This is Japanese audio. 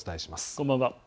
こんばんは。